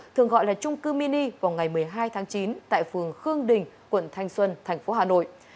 thường gọi là trung cư mini vào ngày một mươi hai tháng chín tại phường khương đình quận thanh xuân thành phố hà nội